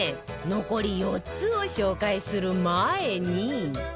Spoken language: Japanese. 残り４つを紹介する前に